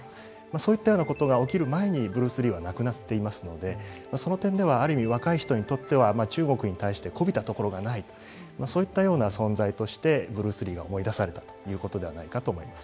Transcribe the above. そういったようなことが起きる前に、ブルース・リーは亡くなっていますので、その点では、ある意味、若い人にとっては、中国に対してこびたところがないと、そういったような存在として、ブルース・リーが思い出されたということではないかと思います。